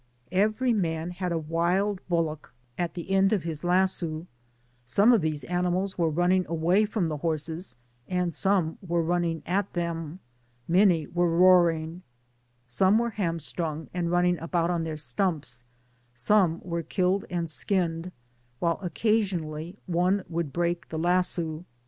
Every man had a wild bullock at the end of his lasso ; some of these animals were running away from the horses, and sotne were running at them j Digitized byGoogk TOWN OF BUfiiJOS AlftES. 8^ tnany were roaring, some were hamBtrung, and running about on their stumps ; some were killed and skinned^ while occasionally one would break the lasso.